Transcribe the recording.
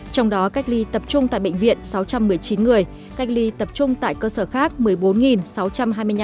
trong đó cách ly tập trung tại bệnh viện sáu trăm một mươi chín người cách ly tập trung tại cơ sở khác một mươi bốn sáu trăm linh